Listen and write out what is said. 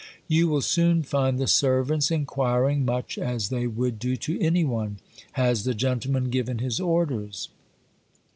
You will soon find the servants inquiring, much as they would do to any one :" Has the gentleman given his orders